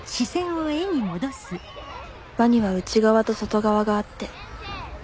輪には内側と外側があって